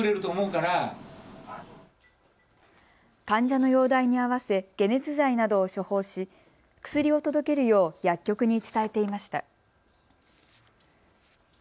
患者の容体に合わせ解熱剤などを処方し薬を届けるよう薬局に伝えていました。